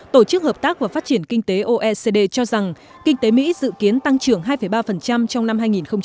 tổ chức hợp tác và phát triển kinh tế oecd cho rằng kinh tế mỹ dự kiến tăng trưởng hai ba trong năm hai nghìn hai mươi